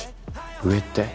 上って？